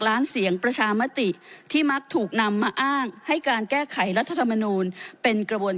ล้านเสียงประชามติที่มักถูกนำมาอ้างให้การแก้ไขรัฐธรรมนูลเป็นกระบวน